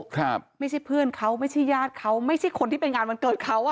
ครับไม่ใช่เพื่อนเขาไม่ใช่ญาติเขาไม่ใช่คนที่ไปงานวันเกิดเขาอ่ะ